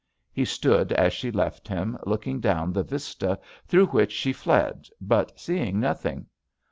He stood as she left him, looking down the vista through which she fled, but seeing nothing.